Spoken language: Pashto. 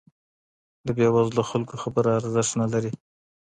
د بې وزلو خلګو خبره ارزښت نه لري.